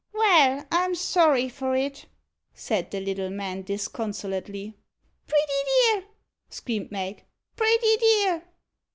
"Well, I'm sorry for it," said the little man disconsolately. "Pretty dear!" screamed Mag; "pretty dear!"